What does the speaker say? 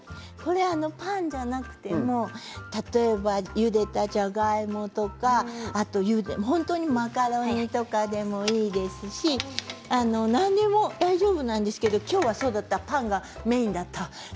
パンじゃなくても例えば、ゆでたじゃがいもとかマカロニとかでもいいですし何でも大丈夫なんですけど今日はパンがメインだった。